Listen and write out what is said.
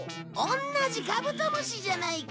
同じカブトムシじゃないか。